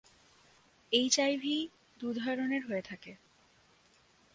HIV দুই ধরনের হয়ে থাকে।